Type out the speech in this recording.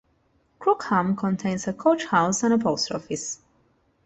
Crookham contains a Coach House and a Post Office.